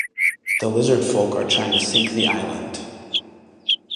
The lizard-folk are trying to sink the island.